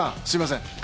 すいません。